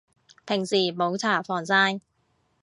平時冇搽防曬